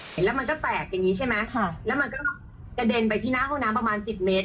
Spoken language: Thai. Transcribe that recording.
เห็นแล้วมันก็แปลกอย่างนี้ใช่ไหมค่ะแล้วมันก็กระเด็นไปที่หน้าห้องน้ำประมาณสิบเมตร